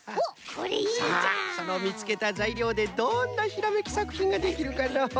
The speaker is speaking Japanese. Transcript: さあそのみつけたざいりょうでどんなひらめきさくひんができるかのう？